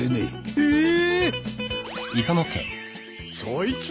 えっ？